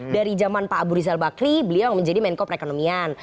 dari zaman pak abu rizal bakri beliau yang menjadi menko perekonomian